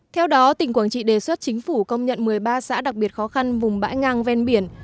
theo đó tỉnh quảng trị đề xuất chính phủ công nhận một mươi ba xã đặc biệt khó khăn vùng bãi ngang ven biển